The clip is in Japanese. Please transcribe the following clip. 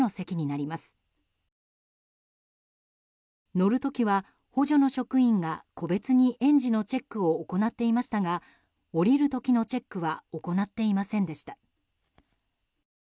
乗る時は補助の職員が個別に園児のチェックを行っていましたが降りる時のチェックは行っていませんでした。